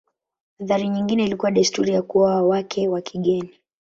Athari nyingine ilikuwa desturi ya kuoa wake wa kigeni.